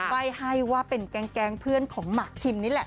ใบ้ให้ว่าเป็นแก๊งเพื่อนของหมากคิมนี่แหละ